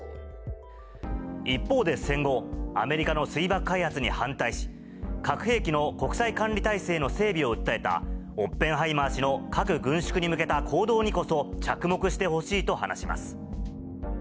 一方で戦後、アメリカの水爆開発に反対し、核兵器の国際管理体制の整備を訴えたオッペンハイマー氏の核軍縮に向けた行動にこそ着目してほしいと話します。